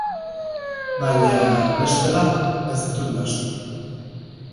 Baina, bestela, ez ditut nahasten.